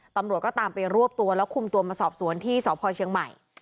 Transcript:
ตำรวจก็ตามไปรวบตัวแล้วคุมตัวมาสอบสวนที่สพเชียงใหม่